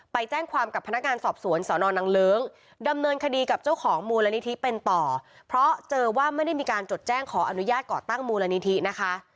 ไปแจ้งความกับพนักงานสอบสวนสอนอนังเลิ้งดำเนินคดีกับเจ้าของมูลนิธิเป็นต่อเพราะเจอว่าไม่ได้มีการจดแจ้งขออนุญาตก่อตั้งมูลนิธินะคะ